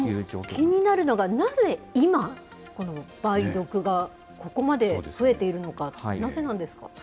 気になるのが、なぜ今、梅毒がここまで増えているのか、なぜなんですか。